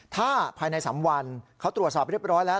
ถ้าภายใน๓วันเขาตรวจสอบเรียบร้อยแล้ว